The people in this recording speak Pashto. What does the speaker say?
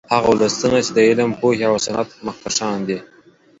هغه ولسونه چې د علم، پوهې او صنعت مخکښان دي